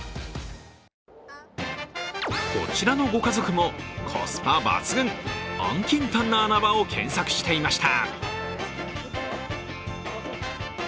こちらのご家族もコスパ抜群、安・近・短な穴場を検索していました。